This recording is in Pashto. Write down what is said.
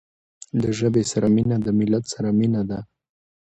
له ژبې سره مینه د ملت سره مینه ده.